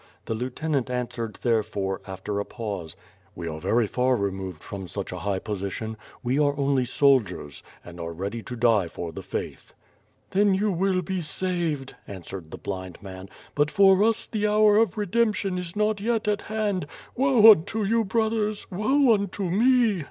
The lieu tenant answered, therefore, after a pause: "We are very far removed from such a high position; we are only soldiers, and are ready to die for the faith." "Then you will be saved,'' answered the blind man, "but for us the hour of redemption is not yet at hand. Woe unto you, brothers, woe unto me!"